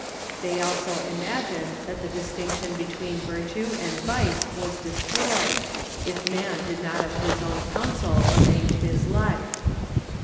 They also imagined that the distinction between virtue and vice was destroyed, if man did not of his own counsel arrange his life.